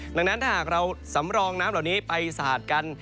ดังนั้นถ้าหากเราสำรองน้ำเหล่านี้ไปสะอาดกัน